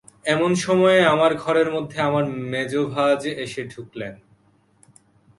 এমন সময়ে আমার ঘরের মধ্যে আমার মেজো ভাজ এসে ঢুকলেন।